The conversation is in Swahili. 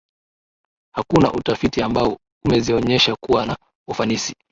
Hakuna utafiti ambao umezionyesha kuwa na ufanisi